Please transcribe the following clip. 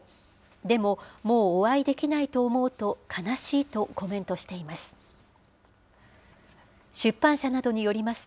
でも、もうお会いできないと思うと、悲しいとコメントしています。